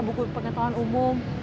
buku agama buku pengetahuan umum